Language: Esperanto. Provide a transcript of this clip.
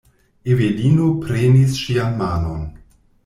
Evelino prenis ŝian manon.